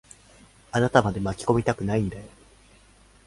あなたまで巻き込みたくないんだよ。